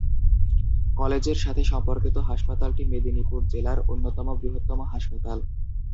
কলেজের সাথে সম্পর্কিত হাসপাতালটি মেদিনীপুর জেলার অন্যতম বৃহত্তম হাসপাতাল।